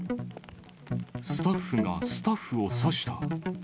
スタッフがスタッフを刺した。